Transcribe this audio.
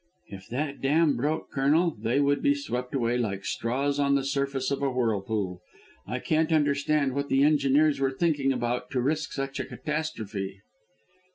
"If that dam broke, Colonel, they would be swept away like straws on the surface of a whirlpool. I can't understand what the engineers were thinking about to risk such a catastrophe."